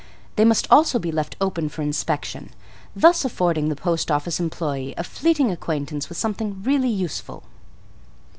They must also be left open for inspection, thus affording the post office employee a fleeting acquaintance with something really useful.